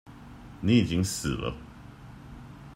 你已經死了